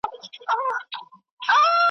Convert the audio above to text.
بېګناه چي د ګناه په تهمت وژني .